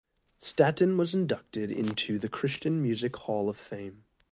Staton was inducted into the Christian Music Hall of Fame.